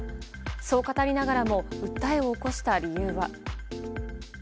そう語りながらも訴えを起こした理由は。